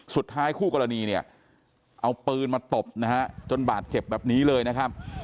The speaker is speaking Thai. สุดท้ายคู่กรณีเอาปืนมาตบจนบาดเจ็บแบบนี้เลยนะครับ